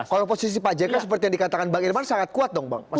kalau posisi pak jika seperti yang dikatakan bang irman sangat kuat dong pak mas wadid